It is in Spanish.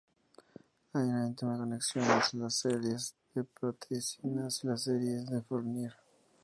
Hay una íntima conexión entre las series de potencias y las series de Fourier.